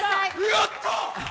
やった！